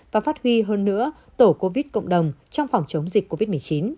và phát huy hơn nữa tổ covid cộng đồng trong phòng chống dịch covid một mươi chín